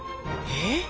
えっ？